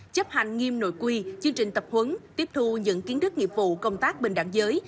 chấp hành nghiêm nội quy chương trình tập huấn tiếp thu những kiến thức nghiệp vụ công tác bình đẳng giới